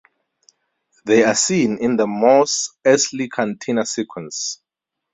They are seen in the Mos Eisley Cantina sequence.